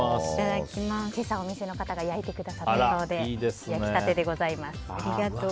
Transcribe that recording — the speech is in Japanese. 今朝、お店の方が焼いてくださったので焼きたてでございます。